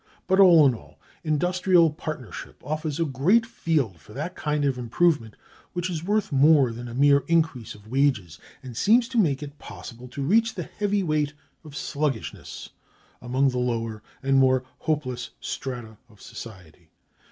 (331) But, all in all, industrial partnership(332) offers a great field for that kind of improvement which is worth more than a mere increase of wages, and seems to make it possible to reach the heavy weight of sluggishness among the lower and more hopeless strata of society.